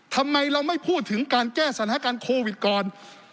ทำไมเราไม่พูดถึงการแก้สถานการณ์โควิดก่อน